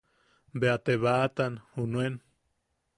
Bea te baʼatan junuen.